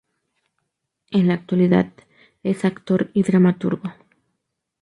En la actualidad es actor y dramaturgo.